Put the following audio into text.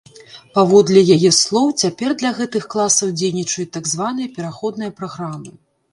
Паводле яе слоў, цяпер для гэтых класаў дзейнічаюць так званыя пераходныя праграмы.